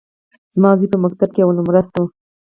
زما زوى په مکتب کښي اول نؤمره سو.